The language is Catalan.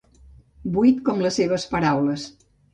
Buit com les seves paraules.